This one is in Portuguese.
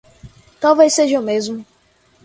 Talvez seja mesmo